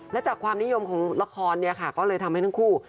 และจากความนิยมของละครเนี่ยค่ะก็เลยทำให้ทั้งคู่